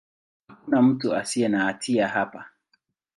Hakuna mtu asiye na hatia hapa.